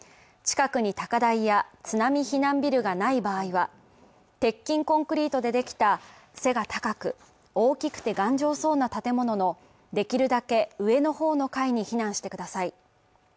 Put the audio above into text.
近くに高台や津波避難ビルがない場合は、鉄筋コンクリートでできた背が高く、大きくて頑丈そうな建物のできるだけ上の方の階に避難してください。